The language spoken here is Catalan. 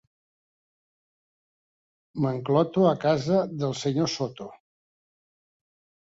M'encloto a casa del senyor Soto.